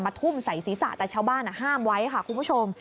ทุ่มใส่ศีรษะแต่ชาวบ้านห้ามไว้ค่ะคุณผู้ชม